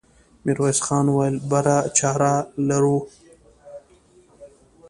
ميرويس خان وويل: بله چاره لرو؟